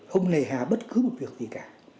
hôn lề hà bất cứ một việc gì cả